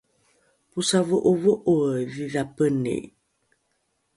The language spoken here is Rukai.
posavo’ovo’oe dhidhapeni